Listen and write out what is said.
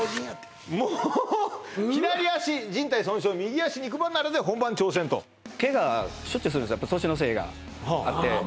もう「左足靱帯損傷右足肉離れで本番挑戦」とケガしょっちゅうするんですやっぱ年のせいがあってああ